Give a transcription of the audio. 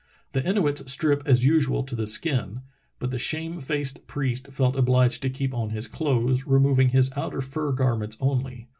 The Inuits stripped as usual to the skin, but the shame faced priest felt obliged to keep on his clothes, removing his outer fur garments only.